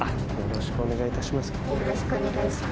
よろしくお願いします。